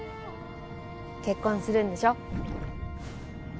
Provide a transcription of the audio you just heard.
結婚するんでしょ？